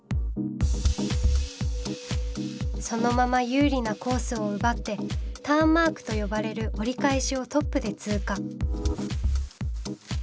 そのまま有利なコースを奪ってターンマークと呼ばれる折り返しをトップで通過。